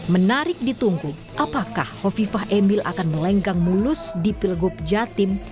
menarik ditunggu apakah hovifah emil akan melenggang mulus di pilgub jatim